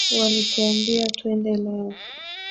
walituambia twende leo